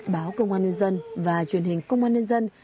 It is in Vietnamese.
báo công an nhân dân và truyền hình công an nhân dân